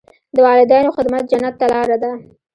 د والدینو خدمت جنت ته لاره ده.